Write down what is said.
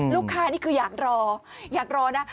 นี่คืออยากรออยากรอนะ